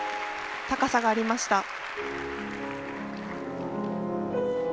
高さがありました。